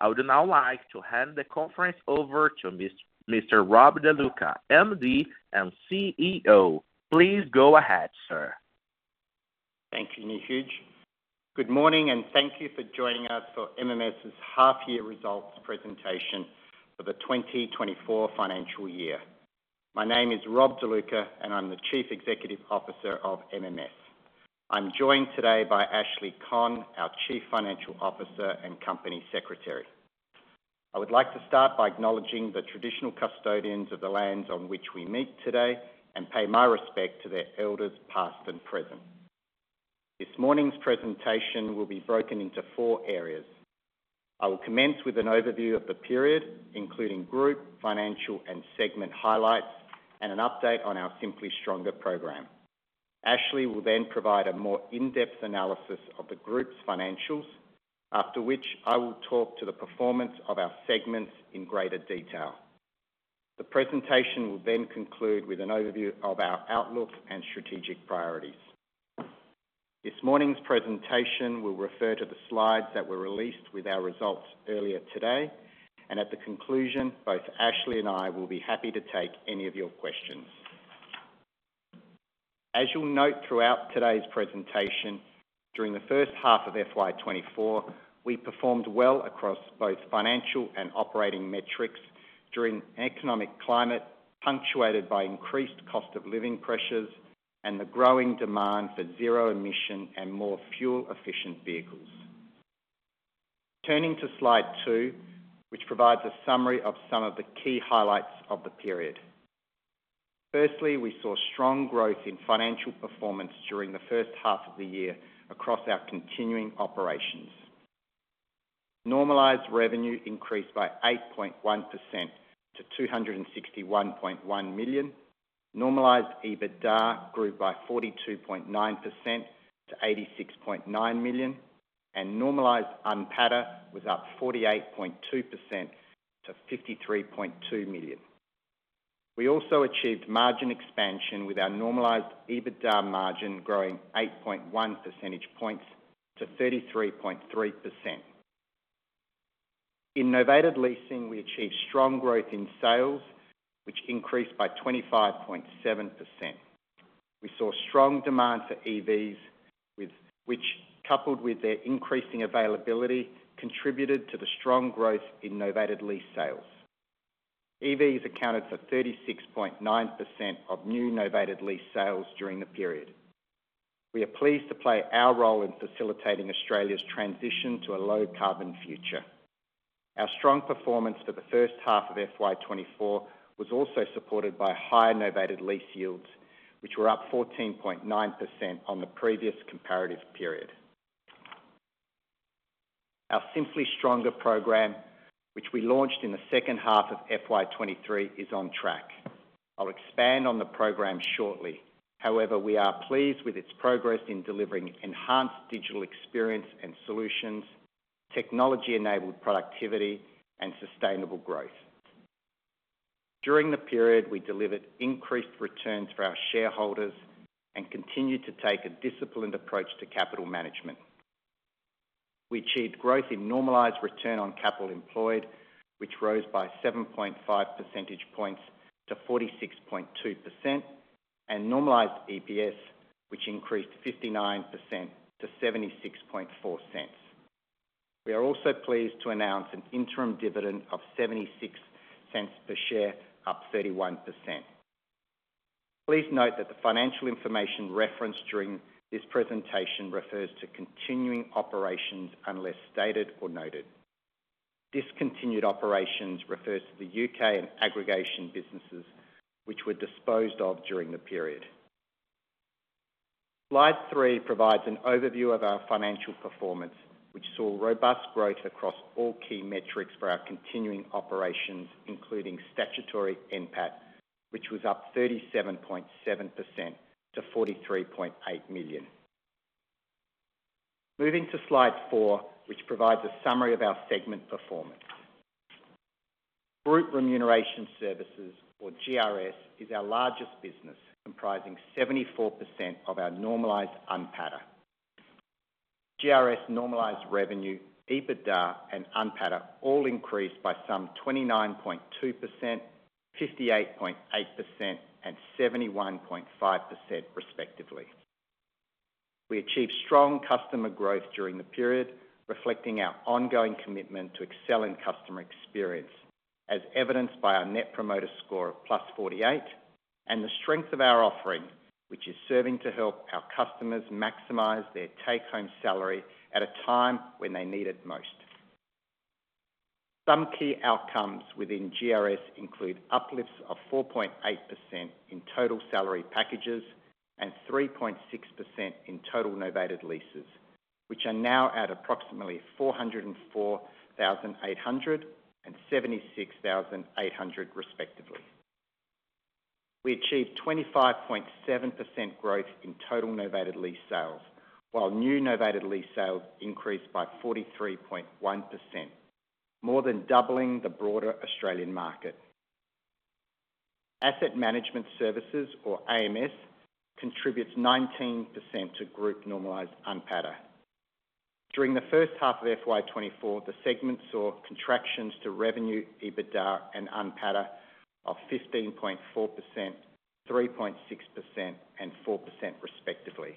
I would now like to hand the conference over to Mr. Rob De Luca, MD and CEO. Please go ahead, sir. Thank you, Neeraj. Good morning, and thank you for joining us for MMS's half year results presentation for the 2024 financial year. My name is Rob De Luca, and I'm the Chief Executive Officer of MMS. I'm joined today by Ashley Conn, our Chief Financial Officer and Company Secretary. I would like to start by acknowledging the traditional custodians of the lands on which we meet today and pay my respect to their elders, past and present. This morning's presentation will be broken into four areas. I will commence with an overview of the period, including group, financial, and segment highlights, and an update on our Simply Stronger program. Ashley will then provide a more in-depth analysis of the group's financials, after which I will talk to the performance of our segments in greater detail. The presentation will then conclude with an overview of our outlook and strategic priorities. This morning's presentation will refer to the slides that were released with our results earlier today, and at the conclusion, both Ashley and I will be happy to take any of your questions. As you'll note throughout today's presentation, during the first half of FY 2024, we performed well across both financial and operating metrics during an economic climate punctuated by increased cost of living pressures and the growing demand for zero-emission and more fuel-efficient vehicles. Turning to slide two, which provides a summary of some of the key highlights of the period. Firstly, we saw strong growth in financial performance during the first half of the year across our continuing operations. Normalized revenue increased by 8.1% to 261.1 million. Normalized EBITDA grew by 42.9% to 86.9 million, and normalized NPATA was up 48.2% to 53.2 million. We also achieved margin expansion, with our normalized EBITDA margin growing 8.1 percentage points to 33.3%. In novated leasing, we achieved strong growth in sales, which increased by 25.7%. We saw strong demand for EVs, which coupled with their increasing availability, contributed to the strong growth in novated lease sales. EVs accounted for 36.9% of new novated lease sales during the period. We are pleased to play our role in facilitating Australia's transition to a low-carbon future. Our strong performance for the first half of FY 2024 was also supported by higher novated lease yields, which were up 14.9% on the previous comparative period. Our Simply Stronger program, which we launched in the second half of FY 2023, is on track. I'll expand on the program shortly. However, we are pleased with its progress in delivering enhanced digital experience and solutions, technology-enabled productivity, and sustainable growth. During the period, we delivered increased returns for our shareholders and continued to take a disciplined approach to capital management. We achieved growth in normalized return on capital employed, which rose by 7.5 percentage points to 46.2%, and normalized EPS, which increased 59% to 0.764. We are also pleased to announce an interim dividend of 0.76 per share, up 31%. Please note that the financial information referenced during this presentation refers to continuing operations, unless stated or noted. Discontinued operations refer to the U.K. asset management businesses, which were disposed of during the period. Slide three provides an overview of our financial performance, which saw robust growth across all key metrics for our continuing operations, including statutory NPAT, which was up 37.7% to 43.8 million. Moving to slide four, which provides a summary of our segment performance. Group Remuneration Services, or GRS, is our largest business, comprising 74% of our normalized NPATA. GRS normalized revenue, EBITDA, and NPATA all increased by some 29.2%, 58.8%, and 71.5% respectively. We achieved strong customer growth during the period, reflecting our ongoing commitment to excel in customer experience, as evidenced by our net promoter score of +48 and the strength of our offering, which is serving to help our customers maximize their take-home salary at a time when they need it most. Some key outcomes within GRS include uplifts of 4.8% in total salary packages and 3.6% in total novated leases, which are now at approximately 404,800 and 876,800 respectively. We achieved 25.7% growth in total novated lease sales, while new novated lease sales increased by 43.1%, more than doubling the broader Australian market. Asset Management Services, or AMS, contributes 19% to group normalized NPATA. During the first half of FY 2024, the segments saw contractions to revenue, EBITDA, and NPATA of 15.4%, 3.6%, and 4% respectively.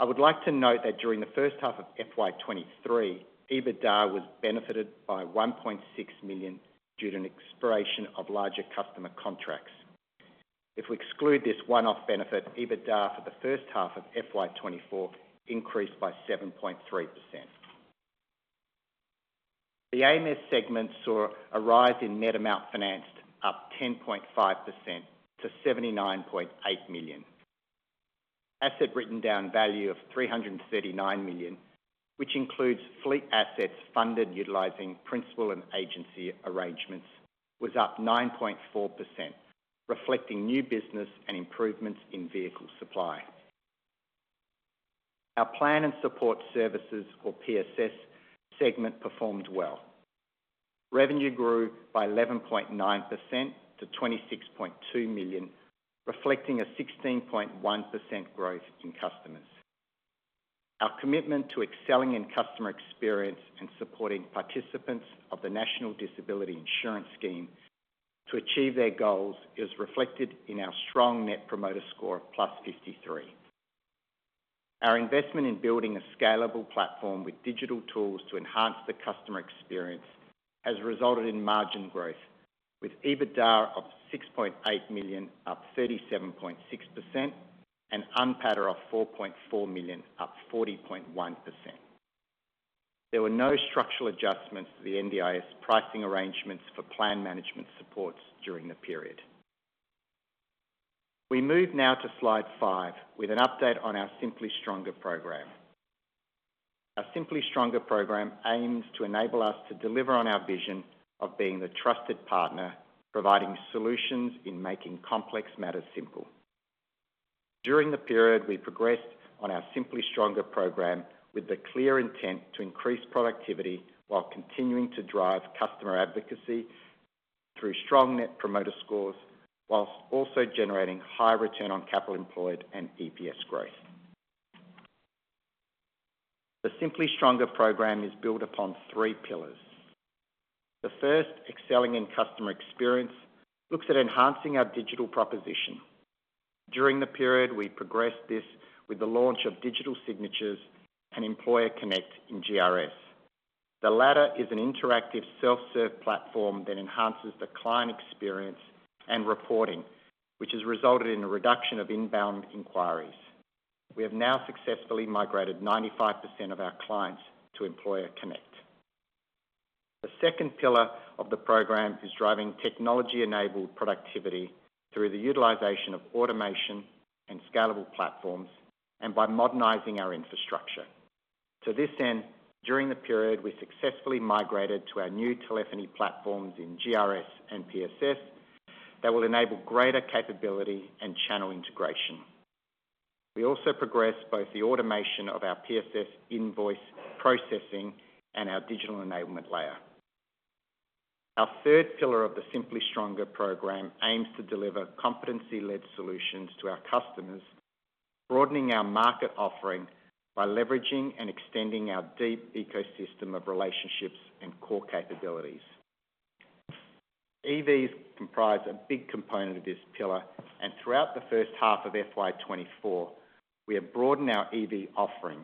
I would like to note that during the first half of FY 2023, EBITDA was benefited by 1.6 million due to an expiration of larger customer contracts. If we exclude this one-off benefit, EBITDA for the first half of FY 2024 increased by 7.3%. The AMS segment saw a rise in net amount financed up 10.5% to 79.8 million. Asset written down value of 339 million, which includes fleet assets funded utilizing principal and agency arrangements, was up 9.4%, reflecting new business and improvements in vehicle supply. Our Plan and Support Services, or PSS, segment performed well. Revenue grew by 11.9% to 26.2 million, reflecting a 16.1% growth in customers. Our commitment to excelling in customer experience and supporting participants of the National Disability Insurance Scheme to achieve their goals is reflected in our strong net promoter score of +53. Our investment in building a scalable platform with digital tools to enhance the customer experience has resulted in margin growth, with EBITDA of 6.8 million, up 37.6%, and NPATA of 4.4 million, up 40.1%. There were no structural adjustments to the NDIS pricing arrangements for plan management supports during the period. We move now to Slide five, with an update on our Simply Stronger program. Our Simply Stronger program aims to enable us to deliver on our vision of being the trusted partner, providing solutions in making complex matters simple. During the period, we progressed on our Simply Stronger program with the clear intent to increase productivity while continuing to drive customer advocacy through strong net promoter scores, while also generating high return on capital employed and EPS growth. The Simply Stronger program is built upon three pillars. The first, excelling in customer experience, looks at enhancing our digital proposition. During the period, we progressed this with the launch of digital signatures and Employer Connect in GRS. The latter is an interactive self-serve platform that enhances the client experience and reporting, which has resulted in a reduction of inbound inquiries. We have now successfully migrated 95% of our clients to Employer Connect. The second pillar of the program is driving technology-enabled productivity through the utilization of automation and scalable platforms, and by modernizing our infrastructure. To this end, during the period, we successfully migrated to our new telephony platforms in GRS and PSS that will enable greater capability and channel integration. We also progressed both the automation of our PSS invoice processing and our digital enablement layer. Our third pillar of the Simply Stronger program aims to deliver competency-led solutions to our customers, broadening our market offering by leveraging and extending our deep ecosystem of relationships and core capabilities. EVs comprise a big component of this pillar, and throughout the first half of FY 2024, we have broadened our EV offering,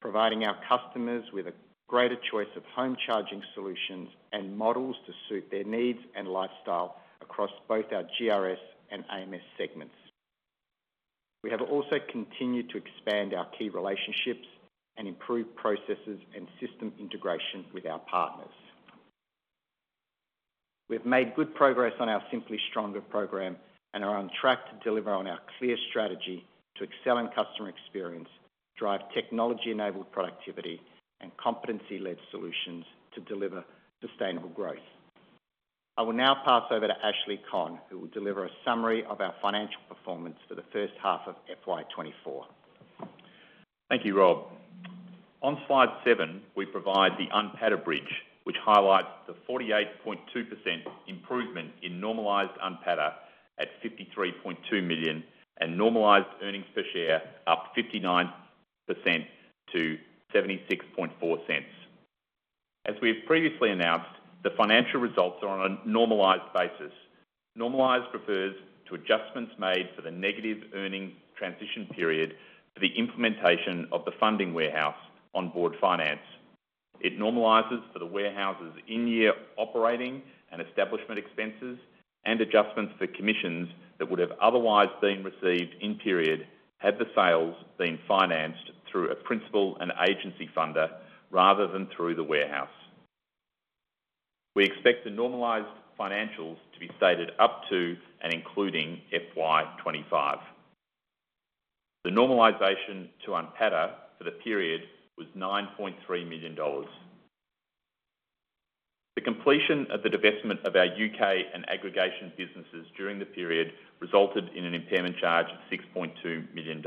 providing our customers with a greater choice of home charging solutions and models to suit their needs and lifestyle across both our GRS and AMS segments. We have also continued to expand our key relationships and improve processes and system integration with our partners. We've made good progress on our Simply Stronger program and are on track to deliver on our clear strategy to excel in customer experience, drive technology-enabled productivity, and competency-led solutions to deliver sustainable growth. I will now pass over to Ashley Conn, who will deliver a summary of our financial performance for the first half of FY 2024. Thank you, Rob. On Slide seven, we provide the NPATA bridge, which highlights the 48.2% improvement in normalized NPATA at 53.2 million, and normalized earnings per share up 59% to 0.764. As we have previously announced, the financial results are on a normalized basis. Normalized refers to adjustments made for the negative earning transition period for the implementation of the funding warehouse Onboard Finance. It normalizes for the warehouse's in-year operating and establishment expenses, and adjustments for commissions that would have otherwise been received in period, had the sales been financed through a principal and agency funder rather than through the warehouse. We expect the normalized financials to be stated up to and including FY 2025. The normalization to NPATA for the period was 9.3 million dollars. The completion of the divestment of our U.K. and aggregation businesses during the period resulted in an impairment charge of $6.2 million.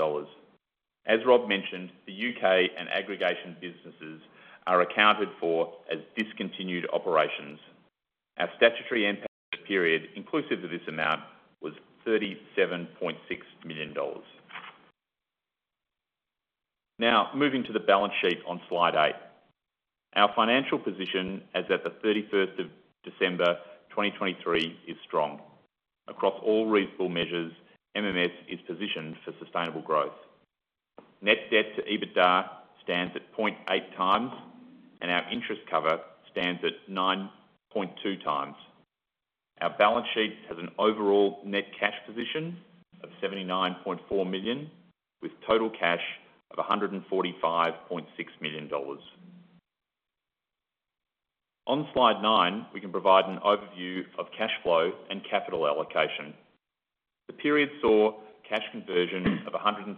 As Rob mentioned, the UK and aggregation businesses are accounted for as discontinued operations. Our statutory NPAT period, inclusive of this amount, was $37.6 million. Now, moving to the balance sheet on slide eight. Our financial position as at the 31st of December 2023 is strong. Across all reasonable measures, MMS is positioned for sustainable growth. Net debt to EBITDA stands at 0.8x, and our interest cover stands at 9.2x. Our balance sheet has an overall net cash position of 79.4 million, with total cash of $145.6 million. On slide nine, we can provide an overview of cash flow and capital allocation. The period saw cash conversion of 113%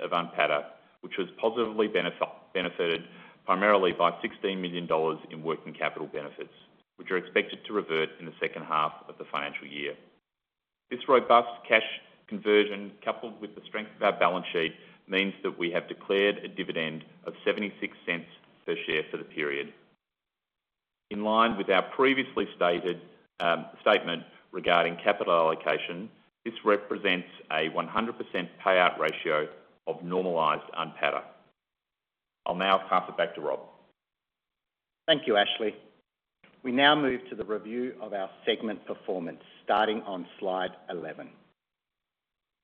of NPATA, which was positively benefited primarily by $16 million in working capital benefits, which are expected to revert in the second half of the financial year. This robust cash conversion, coupled with the strength of our balance sheet, means that we have declared a dividend of 0.76 per share for the period. In line with our previously stated statement regarding capital allocation, this represents a 100% payout ratio of normalized NPATA. I'll now pass it back to Rob. Thank you, Ashley. We now move to the review of our segment performance, starting on slide 11.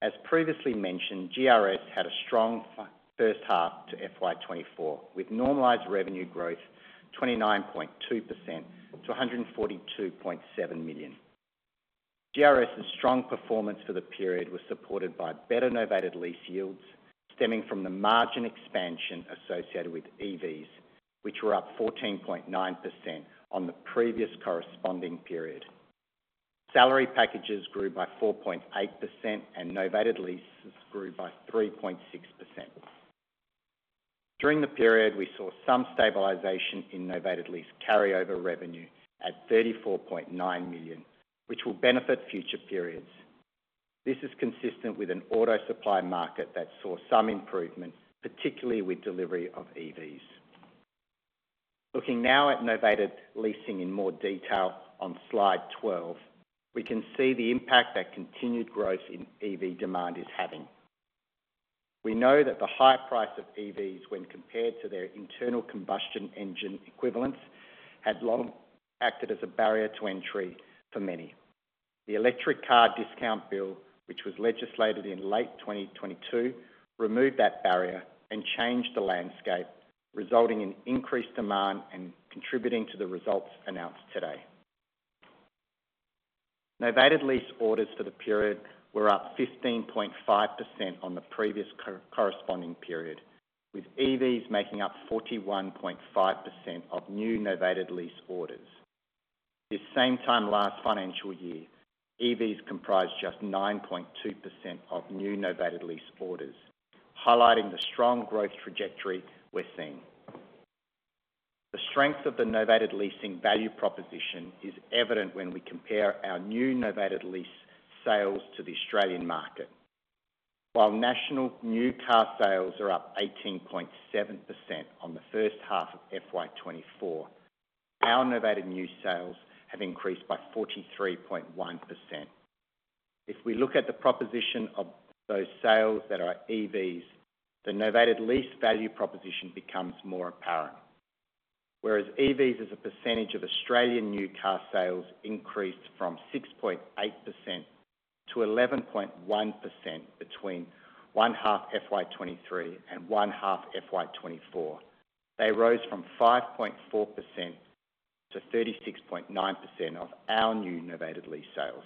As previously mentioned, GRS had a strong first half to FY 2024, with normalized revenue growth 29.2% to 142.7 million. GRS's strong performance for the period was supported by better novated lease yields, stemming from the margin expansion associated with EVs, which were up 14.9% on the previous corresponding period. Salary packages grew by 4.8%, and novated leases grew by 3.6%. During the period, we saw some stabilization in novated lease carryover revenue at 34.9 million, which will benefit future periods. This is consistent with an auto supply market that saw some improvement, particularly with delivery of EVs. Looking now at novated leasing in more detail on Slide 12, we can see the impact that continued growth in EV demand is having. We know that the higher price of EVs when compared to their internal combustion engine equivalents, had long acted as a barrier to entry for many. The Electric Car Discount Bill, which was legislated in late 2022, removed that barrier and changed the landscape, resulting in increased demand and contributing to the results announced today. Novated lease orders for the period were up 15.5% on the previous corresponding period, with EVs making up 41.5% of new novated lease orders. This same time last financial year, EVs comprised just 9.2% of new novated lease orders, highlighting the strong growth trajectory we're seeing. The strength of the novated leasing value proposition is evident when we compare our new novated lease sales to the Australian market. While national new car sales are up 18.7% on the first half of FY 2024, our novated new sales have increased by 43.1%. If we look at the proposition of those sales that are EVs, the novated lease value proposition becomes more apparent. Whereas EVs, as a percentage of Australian new car sales, increased from 6.8% to 11.1% between one half FY 2023 and one half FY 2024, they rose from 5.4%-36.9% of our new novated lease sales.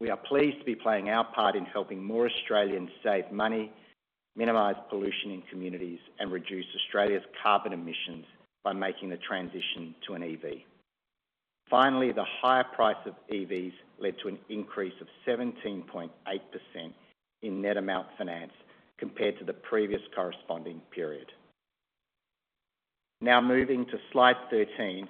We are pleased to be playing our part in helping more Australians save money, minimize pollution in communities, and reduce Australia's carbon emissions by making the transition to an EV. Finally, the higher price of EVs led to an increase of 17.8% in net amount financed compared to the previous corresponding period. Now, moving to slide 13,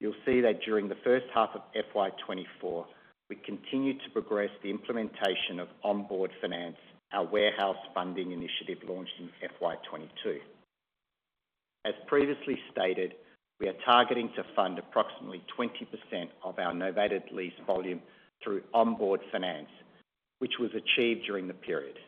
you'll see that during the first half of FY 2024, we continued to progress the implementation of Onboard Finance, our warehouse funding initiative launched in FY 2022. As previously stated, we are targeting to fund approximately 20% of our novated lease volume through Onboard Finance, which was achieved during the period.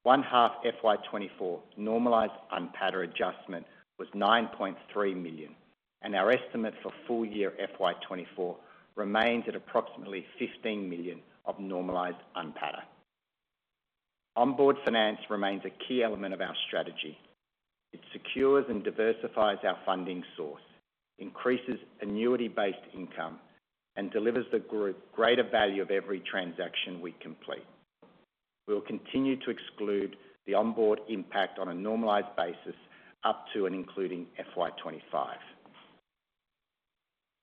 We have now funded AUD 224.2 million worth of leases. 1H FY 2024 normalized NPATA adjustment was 9.3 million, and our estimate for full year FY 2024 remains at approximately 15 million of normalized NPATA. Onboard Finance remains a key element of our strategy. It secures and diversifies our funding source, increases annuity-based income, and delivers the group greater value of every transaction we complete. We'll continue to exclude the onboard impact on a normalized basis up to and including FY 2025.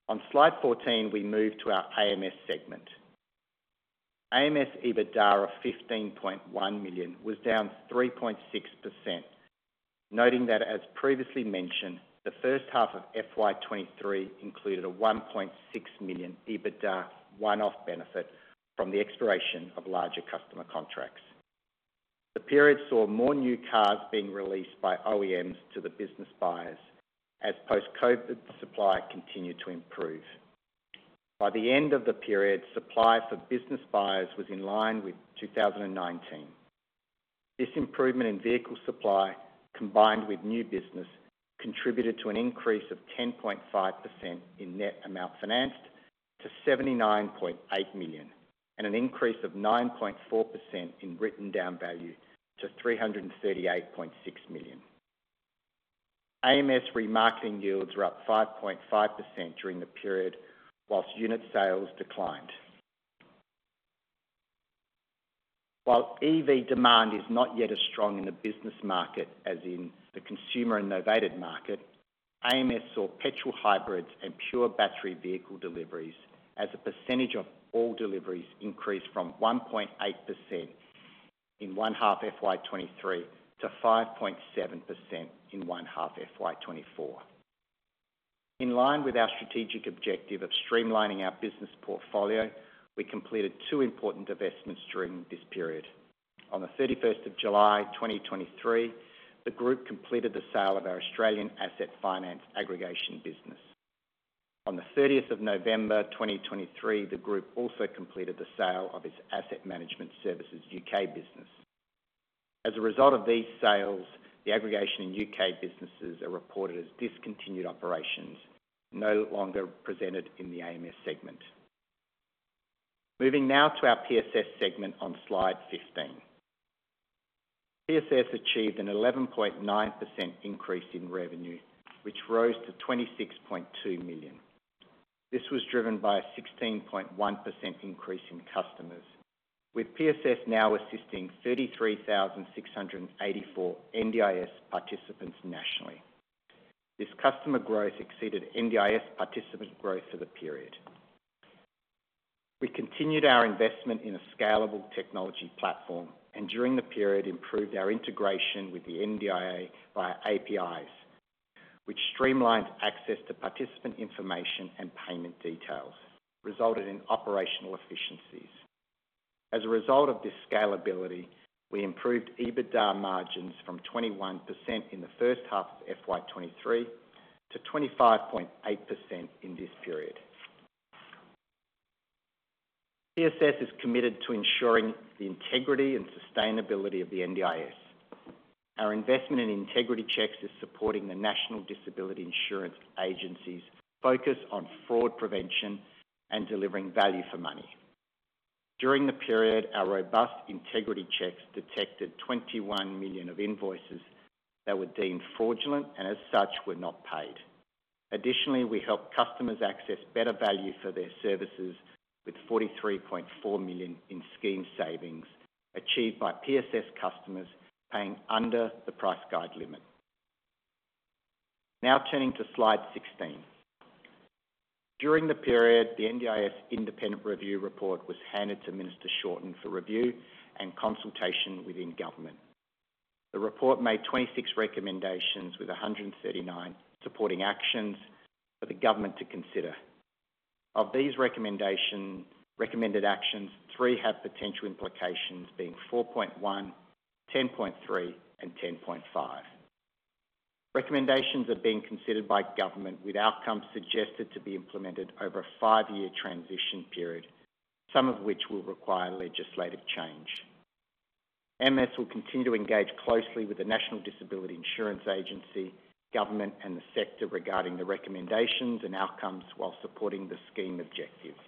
On Slide 14, we move to our AMS segment. AMS EBITDA of 15.1 million was down 3.6%. Noting that, as previously mentioned, the first half of FY 2023 included a 1.6 million EBITDA one-off benefit from the expiration of larger customer contracts. The period saw more new cars being released by OEMs to the business buyers, as post-COVID supply continued to improve. By the end of the period, supply for business buyers was in line with 2019. This improvement in vehicle supply, combined with new business, contributed to an increase of 10.5% in net amount financed to 79.8 million, and an increase of 9.4% in written down value to 338.6 million. AMS remarketing yields were up 5.5% during the period, while unit sales declined. While EV demand is not yet as strong in the business market as in the consumer and novated market, AMS saw petrol hybrids and pure battery vehicle deliveries as a percentage of all deliveries increase from 1.8% in 1H FY 2023, to 5.7% in 1H FY 2024. In line with our strategic objective of streamlining our business portfolio, we completed two important divestments during this period. On the thirty-first of July, 2023, the group completed the sale of our Australian asset finance aggregation business. On the thirtieth of November, 2023, the group also completed the sale of its Asset Management Services U.K. business. As a result of these sales, the aggregation in U.K. businesses are reported as discontinued operations, no longer presented in the AMS segment. Moving now to our PSS segment on Slide 15. PSS achieved an 11.9% increase in revenue, which rose to 26.2 million. This was driven by a 16.1% increase in customers, with PSS now assisting 33,684 NDIS participants nationally. This customer growth exceeded NDIS participant growth for the period. We continued our investment in a scalable technology platform, and during the period, improved our integration with the NDIA via APIs, which streamlined access to participant information and payment details, resulting in operational efficiencies. As a result of this scalability, we improved EBITDA margins from 21% in the first half of FY 2023 to 25.8% in this period. PSS is committed to ensuring the integrity and sustainability of the NDIS. Our investment in integrity checks is supporting the National Disability Insurance Agency's focus on fraud prevention and delivering value for money. During the period, our robust integrity checks detected 21 million of invoices that were deemed fraudulent and as such, were not paid. Additionally, we helped customers access better value for their services, with 43.4 million in scheme savings achieved by PSS customers paying under the price guide limit. Now turning to Slide 16. During the period, the NDIS independent review report was handed to Minister Shorten for review and consultation within government. The report made 26 recommendations with 139 supporting actions for the government to consider. Of these recommended actions, three have potential implications, being 4.1, 10.3, and 10.5. Recommendations are being considered by government, with outcomes suggested to be implemented over a five year transition period, some of which will require legislative change. AMS will continue to engage closely with the National Disability Insurance Agency, government, and the sector regarding the recommendations and outcomes while supporting the scheme objectives.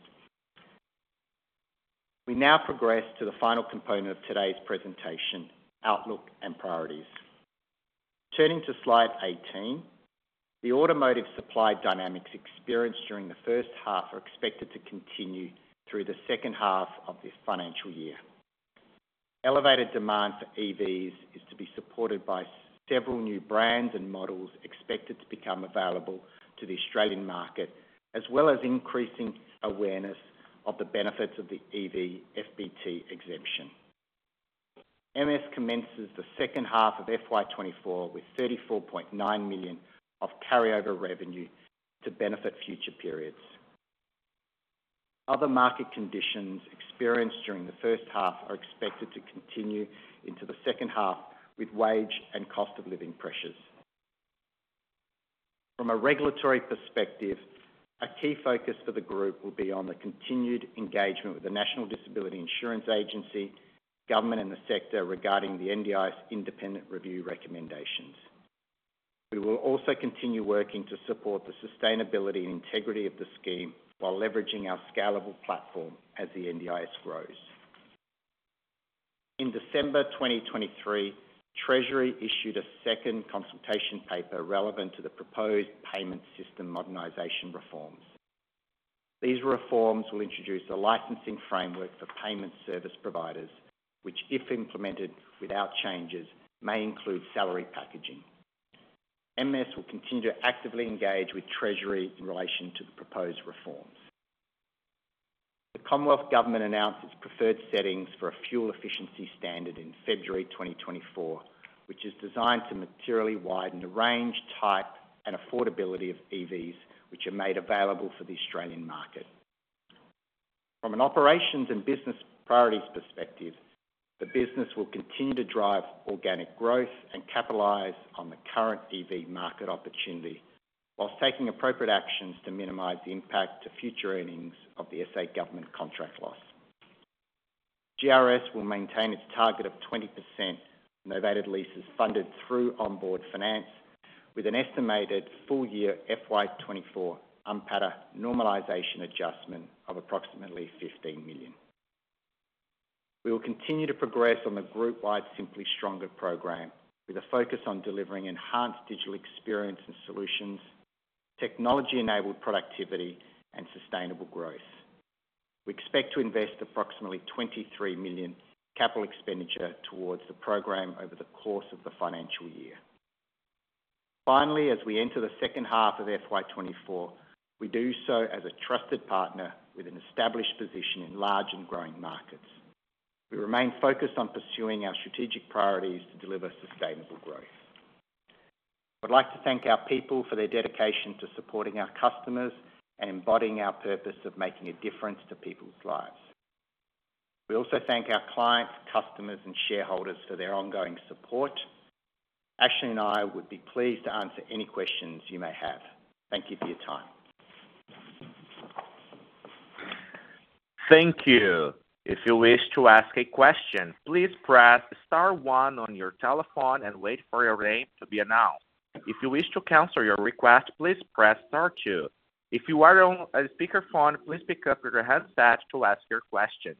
We now progress to the final component of today's presentation: outlook and priorities. Turning to Slide 18, the automotive supply dynamics experienced during the first half are expected to continue through the second half of this financial year. Elevated demand for EVs is to be supported by several new brands and models expected to become available to the Australian market, as well as increasing awareness of the benefits of the EV FBT exemption. AMS commences the second half of FY 2024 with 34.9 million of carryover revenue to benefit future periods. Other market conditions experienced during the first half are expected to continue into the second half, with wage and cost of living pressures. From a regulatory perspective, a key focus for the group will be on the continued engagement with the National Disability Insurance Agency, government, and the sector regarding the NDIS independent review recommendations. We will also continue working to support the sustainability and integrity of the scheme, while leveraging our scalable platform as the NDIS grows. In December 2023, Treasury issued a second consultation paper relevant to the proposed payment system modernization reforms. These reforms will introduce a licensing framework for payment service providers, which, if implemented without changes, may include salary packaging. MS will continue to actively engage with Treasury in relation to the proposed reforms. The Commonwealth Government announced its preferred settings for a fuel efficiency standard in February 2024, which is designed to materially widen the range, type, and affordability of EVs, which are made available for the Australian market. From an operations and business priorities perspective, the business will continue to drive organic growth and capitalize on the current EV market opportunity, while taking appropriate actions to minimize the impact to future earnings of the SA government contract loss. GRS will maintain its target of 20% novated leases funded through Onboard Finance, with an estimated full year FY 2024 NPATA normalization adjustment of approximately 15 million. We will continue to progress on the group-wide Simply Stronger program, with a focus on delivering enhanced digital experience and solutions, technology-enabled productivity, and sustainable growth. We expect to invest approximately 23 million capital expenditure towards the program over the course of the financial year. Finally, as we enter the second half of FY 2024, we do so as a trusted partner with an established position in large and growing markets. We remain focused on pursuing our strategic priorities to deliver sustainable growth. I'd like to thank our people for their dedication to supporting our customers and embodying our purpose of making a difference to people's lives. We also thank our clients, customers, and shareholders for their ongoing support. Ashley and I would be pleased to answer any questions you may have. Thank you for your time. Thank you. If you wish to ask a question, please press star one on your telephone and wait for your name to be announced. If you wish to cancel your request, please press star two. If you are on a speakerphone, please pick up your headset to ask your question.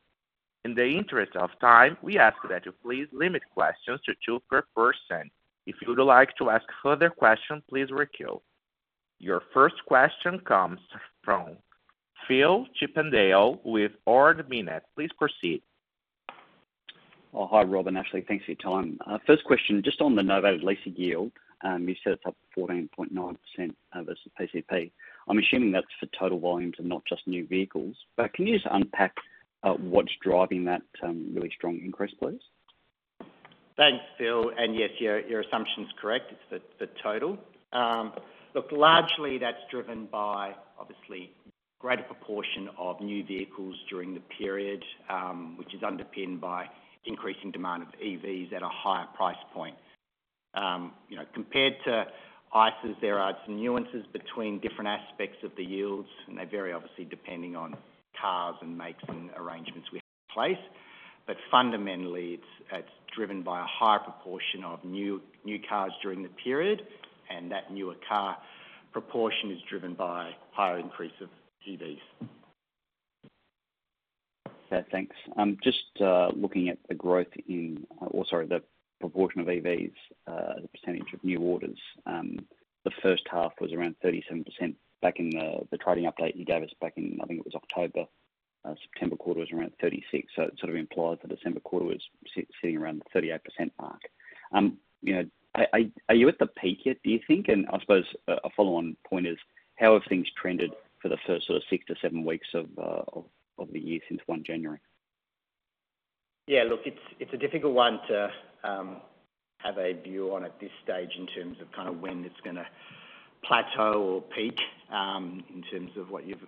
In the interest of time, we ask that you please limit questions to two per person. If you would like to ask further question, please recall. Your first question comes from Phil Chippindale with Ord Minnett. Please proceed. Oh, hi, Rob and Ashley. Thanks for your time. First question, just on the novated leasing yield, you said it's up 14.9% versus PCP. I'm assuming that's for total volumes and not just new vehicles, but can you just unpack, what's driving that, really strong increase, please? Thanks, Phil, and yes, your assumption is correct. It's the total. Look, largely that's driven by obviously greater proportion of new vehicles during the period, which is underpinned by increasing demand of EVs at a higher price point. You know, compared to ICEs, there are some nuances between different aspects of the yields, and they vary, obviously, depending on cars and makes and arrangements we have in place. But fundamentally, it's driven by a higher proportion of new cars during the period, and that newer car proportion is driven by higher increase of EVs. Yeah, thanks. Just looking at the growth in, or, sorry, the proportion of EVs, the percentage of new orders. The first half was around 37%. Back in the trading update you gave us back in, I think it was October, September quarter was around 36. So it sort of implies the December quarter was sitting around the 38% mark. You know, are you at the peak yet, do you think? And I suppose a follow-on point is: How have things trended for the first sort of six to seven weeks of the year since 1 January? Yeah, look, it's, it's a difficult one to have a view on at this stage in terms of kind of when it's gonna plateau or peak, in terms of what you've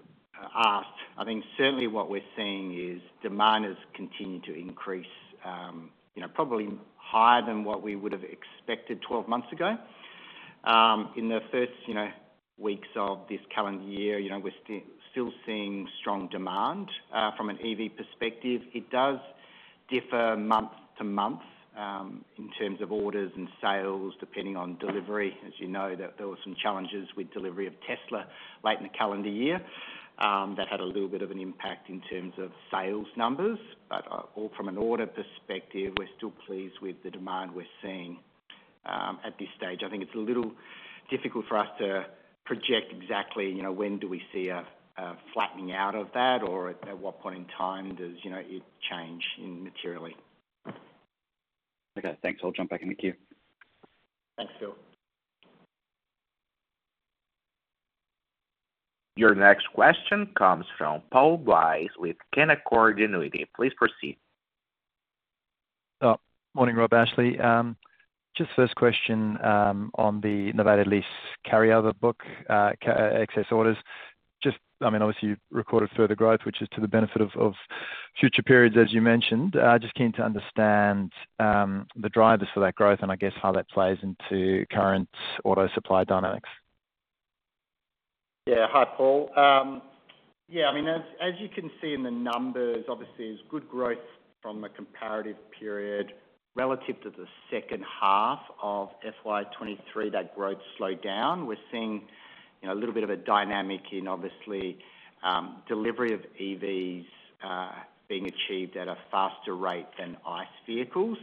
asked. I think certainly what we're seeing is demand has continued to increase, you know, probably higher than what we would have expected 12 months ago. In the first, you know, weeks of this calendar year, you know, we're still, still seeing strong demand. From an EV perspective, it does differ month to month, in terms of orders and sales, depending on delivery. As you know, there, there were some challenges with delivery of Tesla late in the calendar year. That had a little bit of an impact in terms of sales numbers, but, from an order perspective, we're still pleased with the demand we're seeing. At this stage, I think it's a little difficult for us to project exactly, you know, when do we see a flattening out of that? Or at what point in time does, you know, it change materially? Okay, thanks. I'll jump back in the queue. Thanks, Phil. Your next question comes from Paul Buys with Canaccord Genuity. Please proceed. Oh, morning, Rob, Ashley. Just first question on the novated lease carryover book, car excess orders. I mean, obviously, you recorded further growth, which is to the benefit of, of future periods, as you mentioned. Just keen to understand the drivers for that growth, and I guess how that plays into current auto supply dynamics. Yeah. Hi, Paul. Yeah, I mean, as you can see in the numbers, obviously there's good growth from the comparative period. Relative to the second half of FY 2023, that growth slowed down. We're seeing, you know, a little bit of a dynamic in obviously delivery of EVs being achieved at a faster rate than ICE vehicles.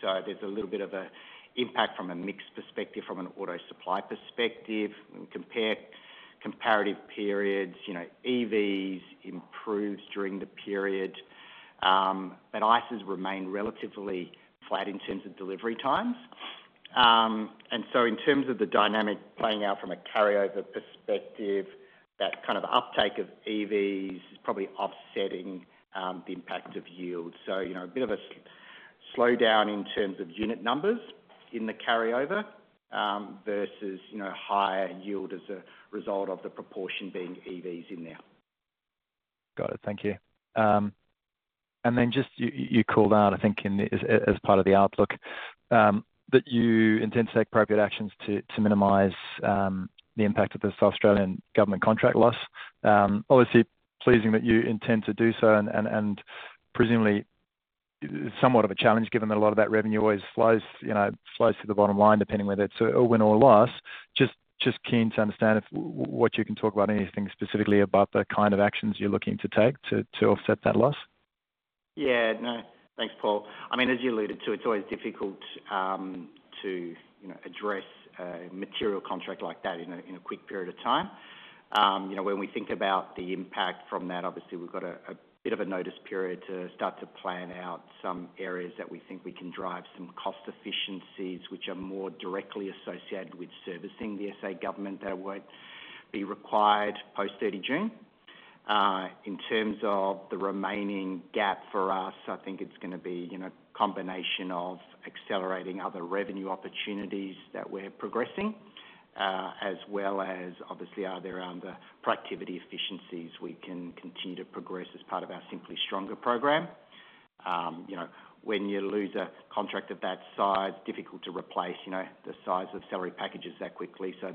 So there's a little bit of a impact from a mix perspective, from an auto supply perspective, comparative periods, you know, EVs improves during the period, but ICEs remain relatively flat in terms of delivery times. And so in terms of the dynamic playing out from a carryover perspective, that kind of uptake of EVs is probably offsetting the impact of yield. So, you know, a bit of a slowdown in terms of unit numbers in the carryover versus, you know, higher yield as a result of the proportion being EVs in there. Got it. Thank you. And then just you called out, I think, in the, as part of the outlook, that you intend to take appropriate actions to minimize the impact of the South Australian government contract loss. Obviously, pleasing that you intend to do so, and presumably, somewhat of a challenge, given that a lot of that revenue always flows, you know, flows to the bottom line, depending whether it's a win or a loss. Just keen to understand if what you can talk about, anything specifically about the kind of actions you're looking to take to offset that loss? Yeah. No, thanks, Paul. I mean, as you alluded to, it's always difficult to you know address a material contract like that in a quick period of time. You know, when we think about the impact from that, obviously, we've got a bit of a notice period to start to plan out some areas that we think we can drive some cost efficiencies, which are more directly associated with servicing the SA government that won't be required post 30 June. In terms of the remaining gap for us, I think it's gonna be you know combination of accelerating other revenue opportunities that we're progressing as well as obviously are there other productivity efficiencies we can continue to progress as part of our Simply Stronger program. You know, when you lose a contract of that size, difficult to replace, you know, the size of salary packages that quickly. So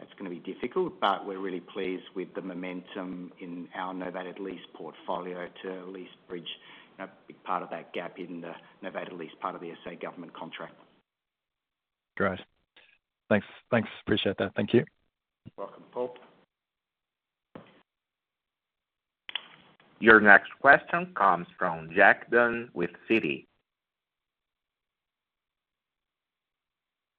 that's gonna be difficult, but we're really pleased with the momentum in our novated lease portfolio to at least bridge, you know, a big part of that gap in the novated lease, part of the SA government contract. Great. Thanks. Thanks. Appreciate that. Thank you. Welcome, Paul. Your next question comes from Jack Dunn with Citi.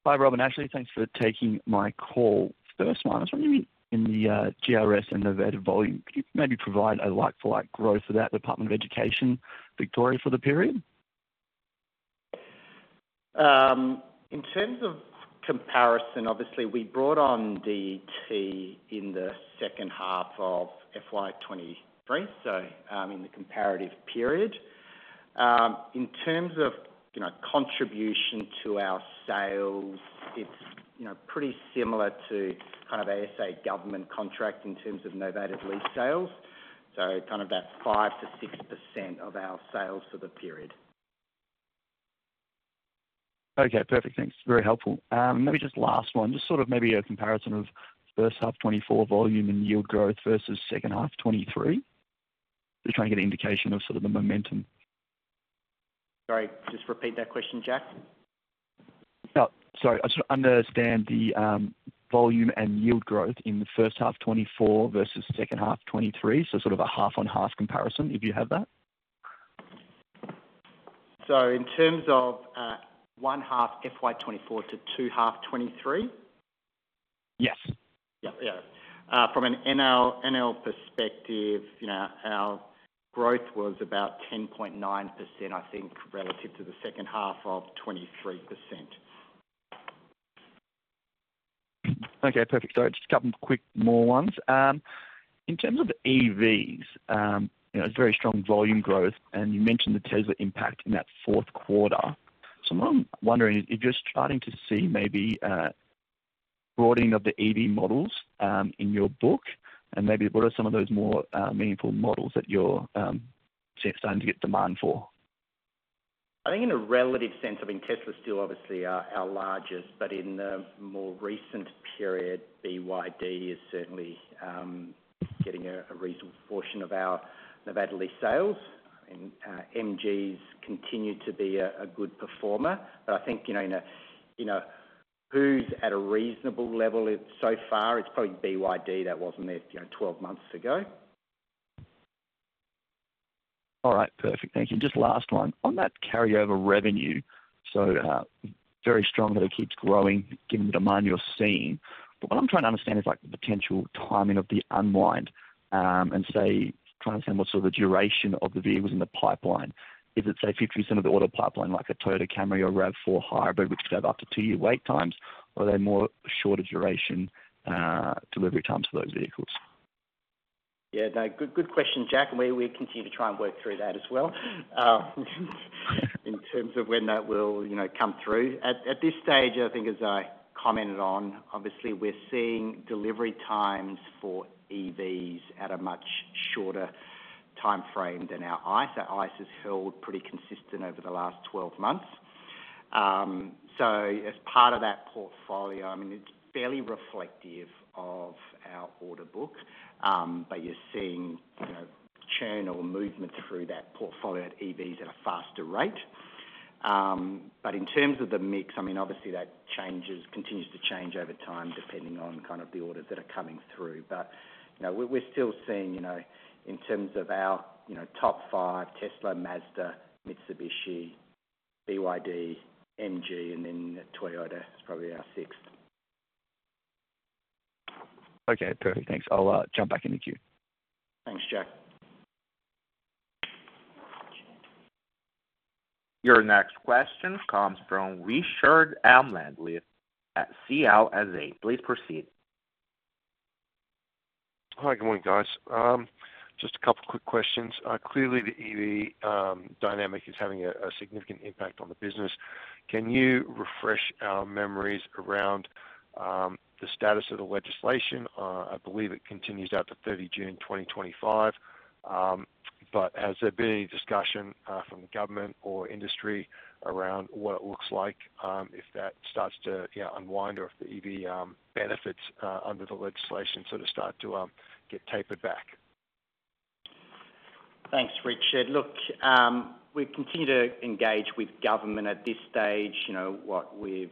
Hi, Robin, Ashley. Thanks for taking my call. First one, I was wondering, in the, GRS and novated volume, could you maybe provide a like-for-like growth for that Department of Education, Victoria, for the period? In terms of comparison, obviously, we brought on DET in the second half of FY 2023, so, in the comparative period. In terms of, you know, contribution to our sales, it's, you know, pretty similar to kind of SA government contract in terms of novated lease sales. So kind of that 5%-6% of our sales for the period. Okay, perfect. Thanks. Very helpful. Maybe just last one, just sort of maybe a comparison of first half 2024 volume and yield growth versus second half 2023. Just trying to get an indication of sort of the momentum. Sorry, just repeat that question, Jack. Oh, sorry. I just want to understand the volume and yield growth in the first half 2024 versus second half 2023. So sort of a half-on-half comparison, if you have that. In terms of 1H FY 2024 to 2H 2023? Yes. Yeah, yeah. From an NL, NL perspective, you know, our growth was about 10.9%, I think, relative to the second half of 23%. Okay, perfect. So just a couple quick more ones. In terms of EVs, you know, it's very strong volume growth, and you mentioned the Tesla impact in that fourth quarter. So what I'm wondering is, if you're starting to see maybe a broadening of the EV models in your book, and maybe what are some of those more meaningful models that you're starting to get demand for? I think in a relative sense, I mean, Tesla is still obviously our largest, but in the more recent period, BYD is certainly getting a reasonable portion of our novated lease sales, and MGs continue to be a good performer. But I think, you know, in a, you know, who's at a reasonable level so far, it's probably BYD that wasn't there, you know, 12 months ago. All right. Perfect. Thank you. Just last one. On that carryover revenue, so, very strong that it keeps growing given the demand you're seeing. But what I'm trying to understand is, like, the potential timing of the unwind, and say, trying to understand what's sort of the duration of the vehicles in the pipeline. Is it, say, 50% of the order pipeline, like a Toyota Camry or RAV4 Hybrid, which could have up to two year wait times? Or are they more shorter duration, delivery times for those vehicles? Yeah, no, good, good question, Jack, and we, we continue to try and work through that as well. In terms of when that will, you know, come through. At this stage, I think as I commented on, obviously, we're seeing delivery times for EVs at a much shorter timeframe than our ICE. Our ICE has held pretty consistent over the last 12 months. So as part of that portfolio, I mean, it's fairly reflective of our order book. But you're seeing, you know, churn or movement through that portfolio at EVs at a faster rate. But in terms of the mix, I mean, obviously, that changes, continues to change over time, depending on kind of the orders that are coming through. But, you know, we're still seeing, you know, in terms of our, you know, top five, Tesla, Mazda, Mitsubishi,... BYD, MG, and then Toyota is probably our sixth. Okay, perfect. Thanks. I'll jump back in the queue. Thanks, Jack. Your next question comes from Richard Amland at CLSA. Please proceed. Hi, good morning, guys. Just a couple quick questions. Clearly, the EV dynamic is having a significant impact on the business. Can you refresh our memories around the status of the legislation? I believe it continues out to 30 June 2025. But has there been any discussion from the government or industry around what it looks like if that starts to, you know, unwind or if the EV benefits under the legislation sort of start to get tapered back? Thanks, Richard. Look, we continue to engage with government at this stage. You know, what we've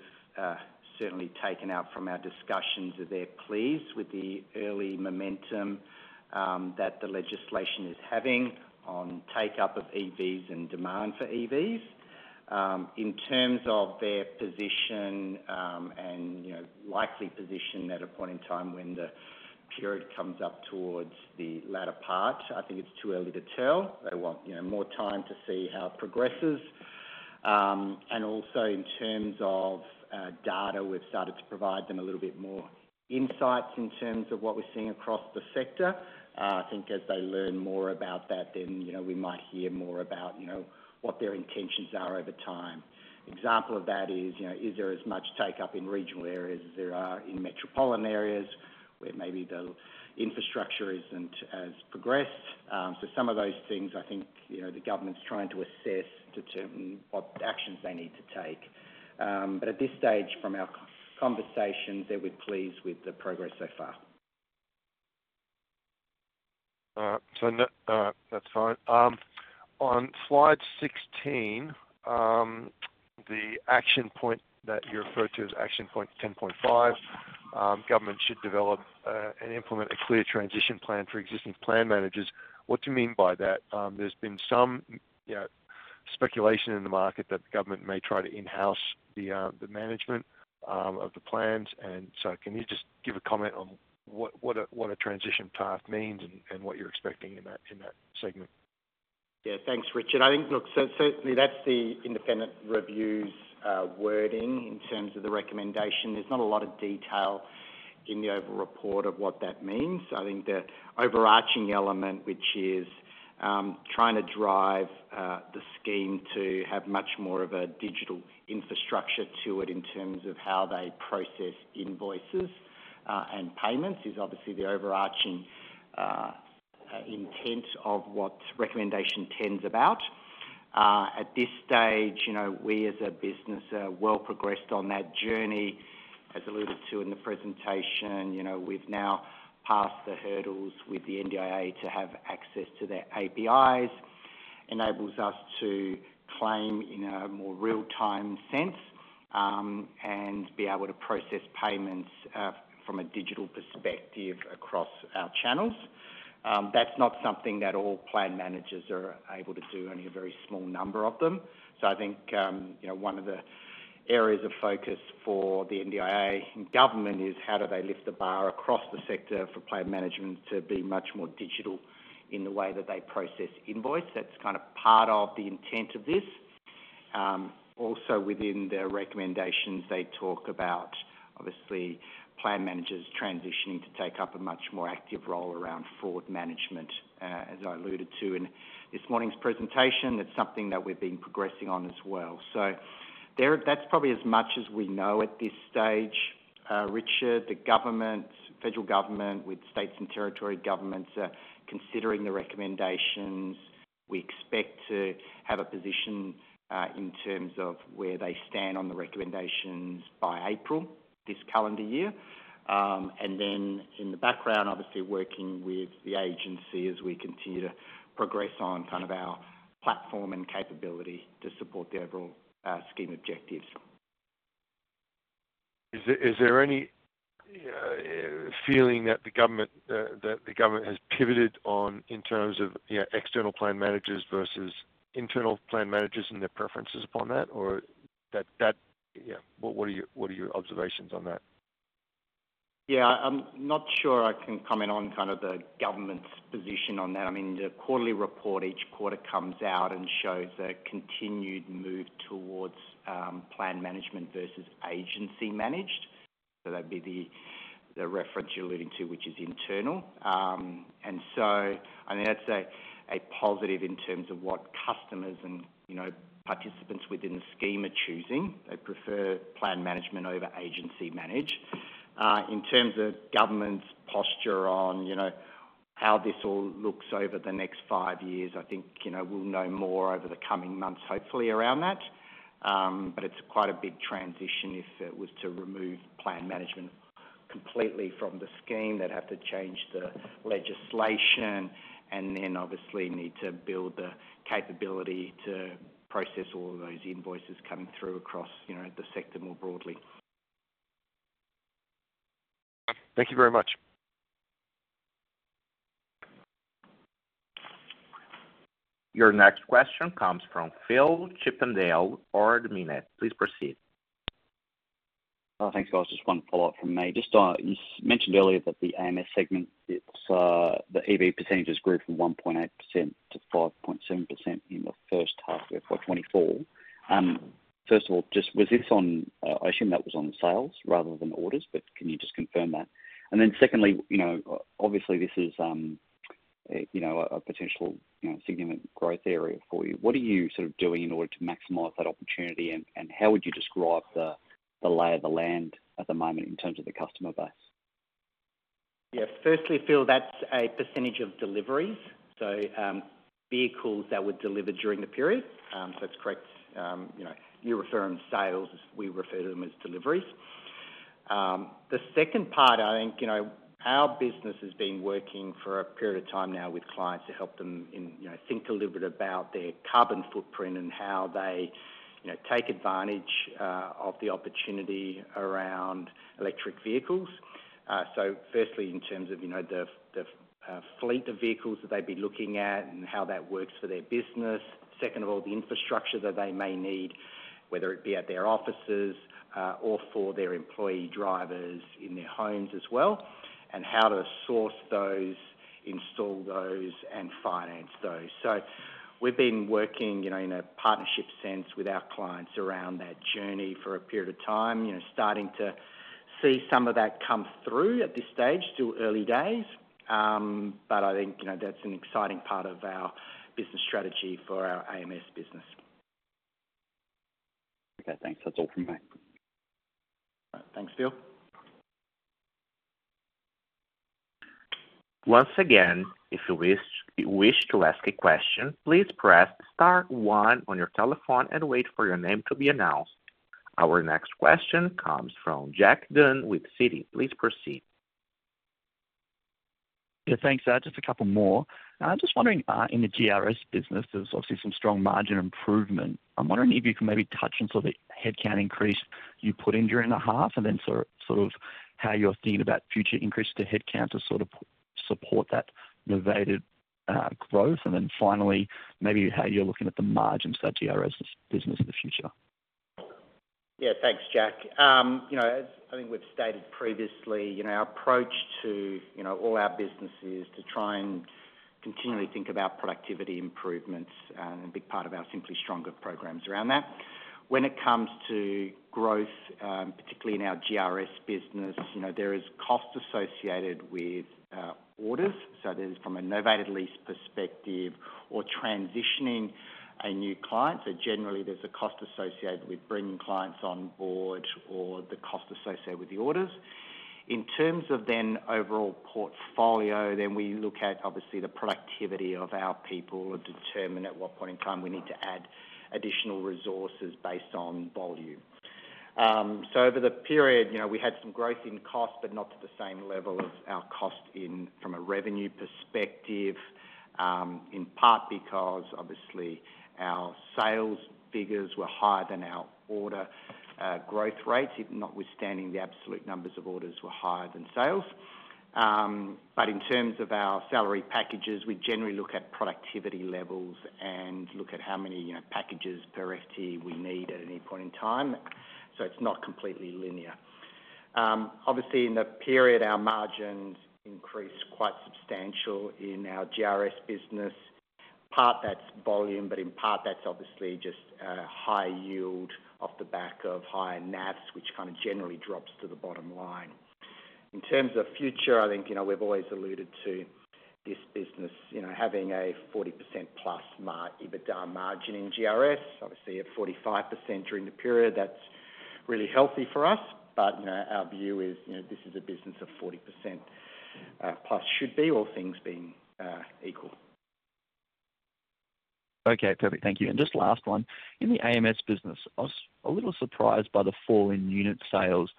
certainly taken out from our discussions is they're pleased with the early momentum that the legislation is having on take-up of EVs and demand for EVs. In terms of their position and likely position at a point in time when the period comes up towards the latter part, I think it's too early to tell. They want more time to see how it progresses. And also in terms of data, we've started to provide them a little bit more insights in terms of what we're seeing across the sector. I think as they learn more about that, then we might hear more about what their intentions are over time. Example of that is, you know, is there as much take-up in regional areas as there are in metropolitan areas where maybe the infrastructure isn't as progressed? So some of those things, I think, you know, the government's trying to assess, determine what actions they need to take. But at this stage, from our conversations, they were pleased with the progress so far. So that's fine. On slide 16, the action point that you referred to as action point 10.5, government should develop and implement a clear transition plan for existing plan managers. What do you mean by that? There's been some, you know, speculation in the market that the government may try to in-house the management of the plans. And so can you just give a comment on what a transition path means and what you're expecting in that segment? Yeah. Thanks, Richard. I think, look, so certainly that's the independent review's wording in terms of the recommendation. There's not a lot of detail in the overall report of what that means. I think the overarching element, which is, trying to drive the scheme to have much more of a digital infrastructure to it in terms of how they process invoices and payments, is obviously the overarching intent of what recommendation 10's about. At this stage, you know, we as a business are well progressed on that journey. As alluded to in the presentation, you know, we've now passed the hurdles with the NDIA to have access to their APIs, enables us to claim in a more real-time sense, and be able to process payments from a digital perspective across our channels. That's not something that all plan managers are able to do, only a very small number of them. So I think, you know, one of the areas of focus for the NDIA and government is how do they lift the bar across the sector for plan management to be much more digital in the way that they process invoice. That's kind of part of the intent of this. Also within their recommendations, they talk about, obviously, plan managers transitioning to take up a much more active role around fraud management. As I alluded to in this morning's presentation, it's something that we've been progressing on as well. So there, that's probably as much as we know at this stage, Richard. The government, federal government, with states and territory governments, are considering the recommendations. We expect to have a position in terms of where they stand on the recommendations by April this calendar year. And then in the background, obviously working with the agency as we continue to progress on kind of our platform and capability to support the overall scheme objectives. Is there any feeling that the government has pivoted on in terms of, you know, external plan managers versus internal plan managers and their preferences upon that? Or that? What are your observations on that? Yeah, I'm not sure I can comment on kind of the government's position on that. I mean, the quarterly report each quarter comes out and shows a continued move towards plan management versus agency-managed. So that'd be the reference you're alluding to, which is internal. And so, I mean, that's a positive in terms of what customers and, you know, participants within the scheme are choosing. They prefer plan management over agency manage. In terms of government's posture on, you know, how this all looks over the next five years, I think, you know, we'll know more over the coming months, hopefully around that. But it's quite a big transition if it was to remove plan management completely from the scheme. They'd have to change the legislation and then obviously need to build the capability to process all of those invoices coming through across, you know, the sector more broadly. Thank you very much. Your next question comes from Phil Chippindale, Ord Minnett. Please proceed. Thanks, guys. Just one follow-up from me. Just, you mentioned earlier that the AMS segment, it's, the EV percentage has grew from 1.8% -5.7% in the first half of FY 2024. First of all, I assume that was on sales rather than orders, but can you just confirm that? And then secondly, you know, obviously, this is, you know, a, a potential, you know, significant growth area for you. What are you sort of doing in order to maximize that opportunity, and, and how would you describe the, the lay of the land at the moment in terms of the customer base? Yeah. Firstly, Phil, that's a percentage of deliveries, so vehicles that were delivered during the period. So that's correct. You know, you're referring to sales, we refer to them as deliveries. The second part, I think, you know, our business has been working for a period of time now with clients to help them in, you know, think a little bit about their carbon footprint and how they, you know, take advantage of the opportunity around electric vehicles. So firstly, in terms of, you know, the fleet of vehicles that they'd be looking at and how that works for their business. Second of all, the infrastructure that they may need, whether it be at their offices or for their employee drivers in their homes as well, and how to source those, install those, and finance those. So we've been working, you know, in a partnership sense with our clients around that journey for a period of time. You know, starting to see some of that come through at this stage, still early days, but I think, you know, that's an exciting part of our business strategy for our AMS business. Okay, thanks. That's all from me. Thanks, Phil. Once again, if you wish to ask a question, please press star one on your telephone and wait for your name to be announced. Our next question comes from Jack Dunn with Citi. Please proceed. Yeah, thanks. Just a couple more. I'm just wondering, in the GRS business, there's obviously some strong margin improvement. I'm wondering if you can maybe touch on sort of the headcount increase you put in during the half, and then sort of how you're thinking about future increases to headcount to sort of support that novated growth. And then finally, maybe how you're looking at the margins for that GRS business in the future. Yeah. Thanks, Jack. You know, as I think we've stated previously, you know, our approach to, you know, all our businesses, to try and continually think about productivity improvements, and a big part of our Simply Stronger programs around that. When it comes to growth, particularly in our GRS business, you know, there is cost associated with orders, so that is from a novated lease perspective or transitioning a new client. So generally, there's a cost associated with bringing clients on board or the cost associated with the orders. In terms of then overall portfolio, then we look at, obviously, the productivity of our people to determine at what point in time we need to add additional resources based on volume. So over the period, you know, we had some growth in cost, but not to the same level as our cost in from a revenue perspective, in part because obviously, our sales figures were higher than our order growth rates, if notwithstanding, the absolute numbers of orders were higher than sales. But in terms of our salary packages, we generally look at productivity levels and look at how many, you know, packages per FTE we need at any point in time, so it's not completely linear. Obviously, in the period, our margins increased quite substantial in our GRS business. Part that's volume, but in part that's obviously just, high yield off the back of higher NAFs, which kind of generally drops to the bottom line. In terms of future, I think, you know, we've always alluded to this business, you know, having a 40%+ EBITDA margin in GRS, obviously at 45% during the period. That's really healthy for us, but, you know, our view is, you know, this is a business of 40%+ should be, all things being equal. Okay, perfect. Thank you. And just last one. In the AMS business, I was a little surprised by the fall in unit sales,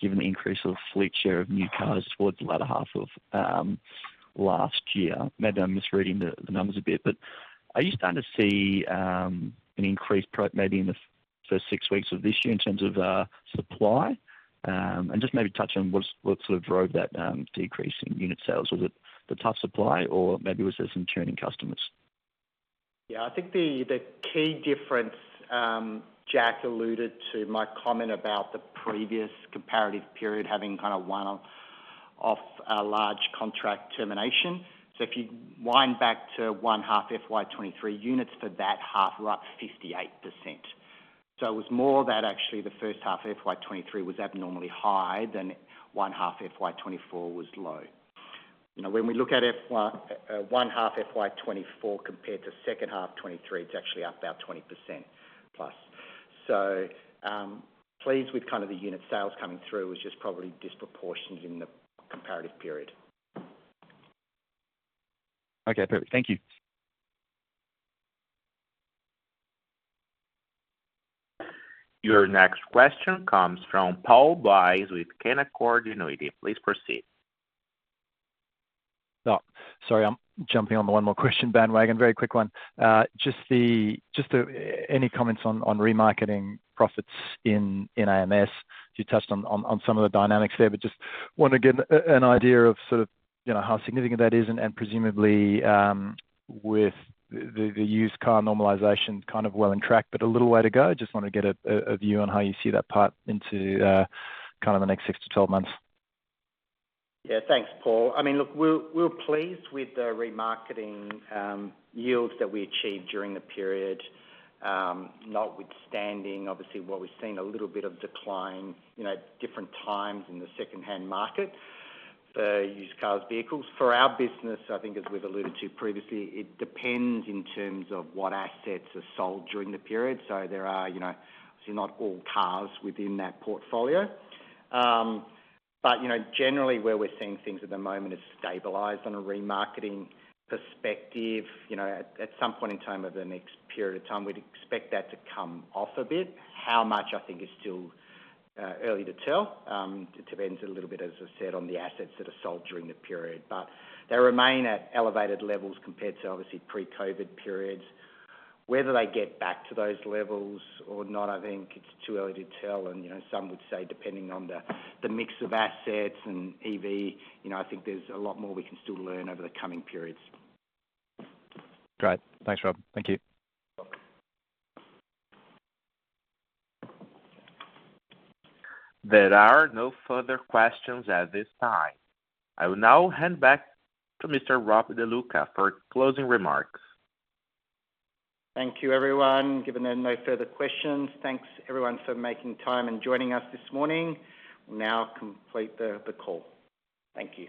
given the increase of fleet share of new cars towards the latter half of last year. Maybe I'm misreading the numbers a bit, but are you starting to see an increased maybe in the first six weeks of this year, in terms of supply? And just maybe touch on what sort of drove that decrease in unit sales. Was it the tough supply, or maybe was there some churning customers? Yeah, I think the key difference, Jack alluded to my comment about the previous comparative period having kind of one off, large contract termination. So if you wind back to 1H FY 2023, units for that half were up 58%. So it was more that actually the first half of FY 2023 was abnormally high, than 1H FY 2024 was low. You know, when we look at FY, 1H FY 2024 compared to second half of 2023, it's actually up about 20%+. So, pleased with kind of the unit sales coming through, was just probably disproportioned in the comparative period. Okay, perfect. Thank you. Your next question comes from Paul Buys with Canaccord Genuity. Please proceed. Oh, sorry, I'm jumping on the one more question bandwagon. Very quick one. Just, just, any comments on remarketing profits in AMS. You touched on some of the dynamics there, but just want to get an idea of sort of, you know, how significant that is and, and presumably, with the used car normalization kind of well and track, but a little way to go. Just want to get a view on how you see that part into kind of the next 6-12 months. Yeah, thanks, Paul. I mean, look, we're pleased with the remarketing yields that we achieved during the period. Notwithstanding, obviously, what we've seen a little bit of decline, you know, at different times in the secondhand market, the used cars, vehicles. For our business, I think, as we've alluded to previously, it depends in terms of what assets are sold during the period. So there are, you know, obviously not all cars within that portfolio. But you know, generally, where we're seeing things at the moment is stabilized on a remarketing perspective. You know, at some point in time, over the next period of time, we'd expect that to come off a bit. How much, I think, is still early to tell. Depends a little bit, as I said, on the assets that are sold during the period, but they remain at elevated levels compared to obviously pre-COVID periods. Whether they get back to those levels or not, I think it's too early to tell, and you know, some would say, depending on the mix of assets and EV, you know, I think there's a lot more we can still learn over the coming periods. Great. Thanks, Rob. Thank you. Welcome. There are no further questions at this time. I will now hand back to Mr. Rob De Luca for closing remarks. Thank you, everyone. Given there are no further questions, thanks, everyone, for making time and joining us this morning. We'll now complete the call. Thank you.